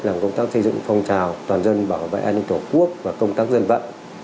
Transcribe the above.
làm công tác xây dựng phong trào toàn dân bảo vệ an ninh tổ quốc và công tác dân vận